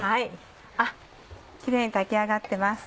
あっキレイに炊き上がってます。